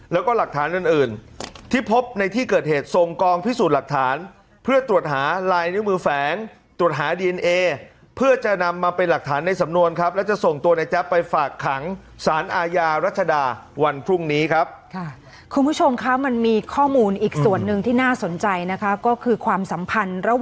แล้วก็หลักฐานอื่นอื่นที่พบในที่เกิดเหตุส่งกองพิสูจน์หลักฐานเพื่อตรวจหาลายนิ้วมือแฝงตรวจหาดีเอนเอเพื่อจะนำมาเป็นหลักฐานในสำนวนครับแล้วจะส่งตัวในแจ๊บไปฝากขังสารอาญารัชดาวันพรุ่งนี้ครับค่ะคุณผู้ชมคะมันมีข้อมูลอีกส่วนหนึ่งที่น่าสนใจนะคะก็คือความสัมพันธ์ระหว่าง